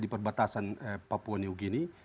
di perbatasan papua new guinea